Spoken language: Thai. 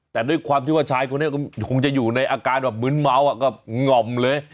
แต่ด้วยความที่ว่าชายคนนี้ก็คงจะอยู่ในอาการแบบมื้นเมาก็หง่อมเลย